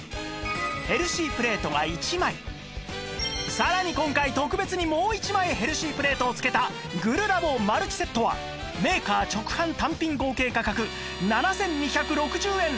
さらに今回特別にもう１枚ヘルシープレートを付けたグルラボマルチセットはメーカー直販単品合計価格７２６０円なんですが